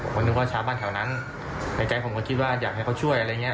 ผมนึกว่าชาวบ้านแถวนั้นในใจผมก็คิดว่าอยากให้เขาช่วยอะไรอย่างนี้